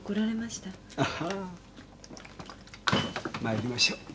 まいりましょう。